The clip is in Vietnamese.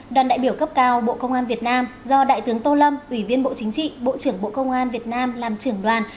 đoàn đại biểu cấp cao bộ công an việt nam do đại tướng tô lâm ủy viên bộ chính trị bộ trưởng bộ công an việt nam làm trưởng đoàn